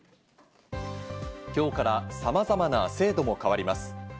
今日からさまざまな制度も変わります。